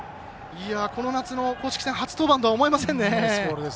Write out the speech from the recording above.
この夏の公式戦初登板とは思えませんね。